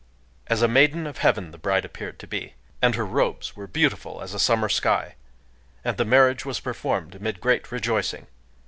As a maiden of heaven the bride appeared to be; and her robes were beautiful as a summer sky. And the marriage was performed amid great rejoicing.